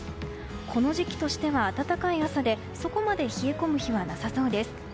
この時期としては暖かい朝でそこまで冷え込む日はなさそうです。